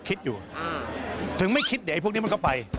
คิดอยู่ถึงไม่คิดเดี๋ยวไอ้พวกนี้มันก็ไป